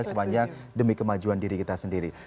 sepanjang demi kemajuan diri kita sendiri